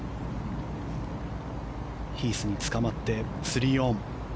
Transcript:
ヒースにつかまって３オン。